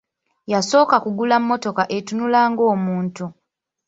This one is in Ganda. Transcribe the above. Yasooka kugula mmotoka etunula ng'omuntu.